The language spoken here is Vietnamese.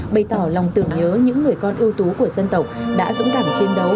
bày tỏ lòng tưởng nhớ những người con ưu tú của dân tộc đã dũng cảm chiến đấu